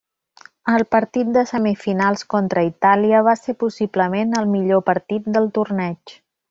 El partit de semifinals contra Itàlia va ser possiblement el millor partit del torneig.